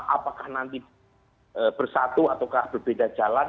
apakah nanti bersatu ataukah berbeda jalan